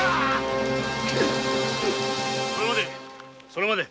それまで。